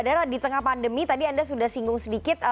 setengah pandemi tadi anda sudah singgung sedikit